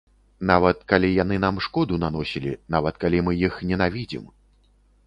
Нават калі яны нам шкоду наносілі, нават калі мы іх ненавідзім.